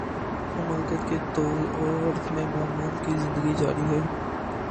مملکت کے طول وعرض میں معمول کی زندگی جاری ہے۔